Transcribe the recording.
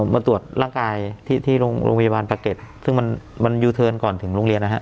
มาตรวจร่างกายที่โรงพยาบาลปะเก็ตซึ่งมันยูเทิร์นก่อนถึงโรงเรียนนะฮะ